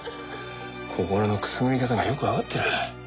心のくすぐり方がよくわかってる。